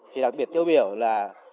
thì đặc biệt tiêu biểu là